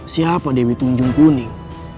siapa dewi tunjung kuning